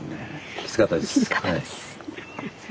きつかったですはい。